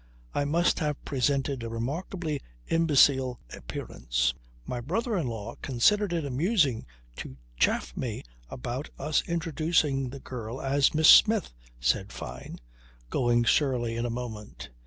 I must have presented a remarkably imbecile appearance. "My brother in law considered it amusing to chaff me about us introducing the girl as Miss Smith," said Fyne, going surly in a moment.